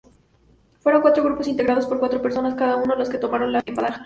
Fueron cuatro grupos integrados por cuatro personas cada uno, los que tomaron la embajada.